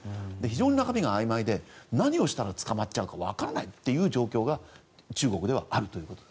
非常に中身があいまいで何をしたら捕まるかわからない状況が中国にはあると。